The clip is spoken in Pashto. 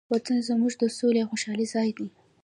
وطن زموږ د سولې او خوشحالۍ ځای دی.